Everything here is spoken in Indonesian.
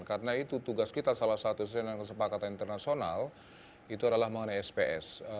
karena itu tugas kita salah satu sejenis kesepakatan internasional itu adalah mengenai sps